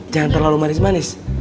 jangan terlalu manis manis